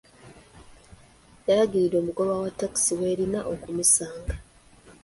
Yalagirira omugoba wa takisi welina okumusanga.